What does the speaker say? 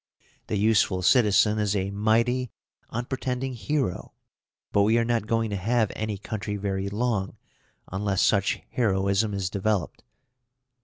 The useful citizen is a mighty, unpretending hero; but we are not going to have any country very long, unless such heroism is developed.